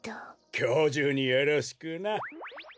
きょうじゅうによろしくな。